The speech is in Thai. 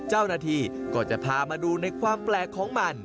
เจ้าหน้าที่ก็จะพามาดูในความแปลกของมัน